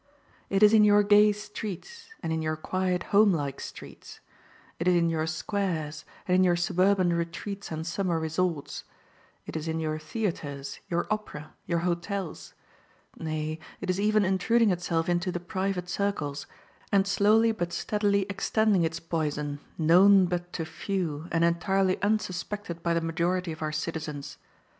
It is in your gay streets, and in your quiet, home like streets; it is in your squares, and in your suburban retreats and summer resorts; it is in your theatres, your opera, your hotels; nay, it is even intruding itself into the private circles, and slowly but steadily extending its poison, known but to few, and entirely unsuspected by the majority of our citizens.